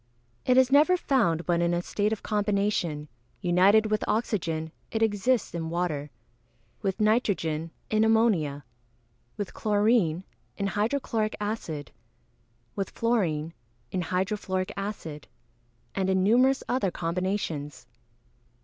_ It is never found but in a state of combination; united with oxygen, it exists in water; with nitrogen, in ammonia; with chlorine, in hydro chloric acid; with fluorine, in hydro fluoric acid; and in numerous other combinations.